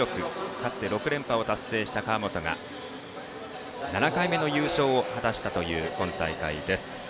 かつて６連覇を達成した川元が７回目の優勝を果たしたという今大会です。